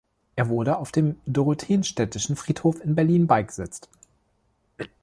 Er wurde auf dem Dorotheenstädtischen Friedhof in Berlin beigesetzt.